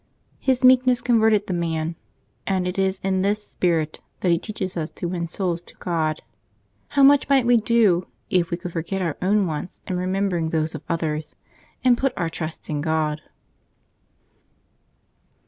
His meekness converted the man, and it is in this spirit that he teaches ns to win souls to God. How much might we do if we could forget our own wants in remem bering those of others, and put our trust in (rod